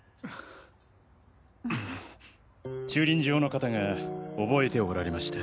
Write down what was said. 駐輪場の方がおぼえておられました。